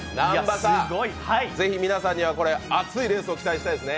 ぜひ皆さんには熱いレースを期待したいですね。